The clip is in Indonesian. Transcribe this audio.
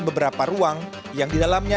beberapa ruang yang di dalamnya